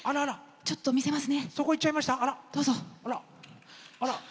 ちょっと見せますね。